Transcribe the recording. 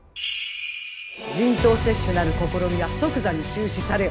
人痘接種なる試みは即座に中止されよ！